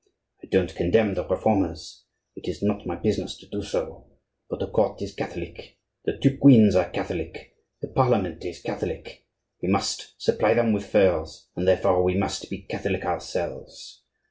I don't condemn the Reformers; it is not my business to do so; but the court is Catholic, the two queens are Catholic, the Parliament is Catholic; we must supply them with furs, and therefore we must be Catholic ourselves.